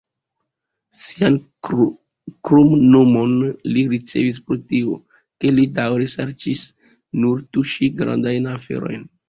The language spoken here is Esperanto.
Sian kromnomon li ricevis pro tio, ke li daŭre serĉis nur tuŝi "grandajn aferojn".